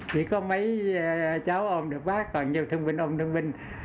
chỉ có mấy cháu ôm được bác còn nhiều thương minh ôm thương minh